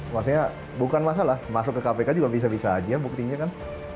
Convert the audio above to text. maksudnya bukan masalah masuk ke kpk juga bisa bisa aja buktinya kan